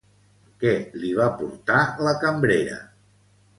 Què li va portar la cambrera?